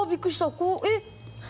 こうえっ！